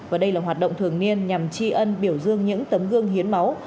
và đây là hoạt động thường niên nhằm tri ân biểu dương những tấm gương hiến máu